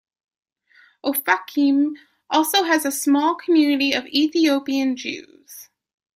Ofakim also has a small community of Ethiopian Jews.